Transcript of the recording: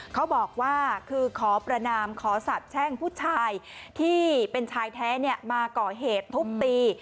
เขาบอกว่าคือขอประนามขอสาบแช่งผู้ชายที่เป็นชายแท้มาก่อเหตุทุบตี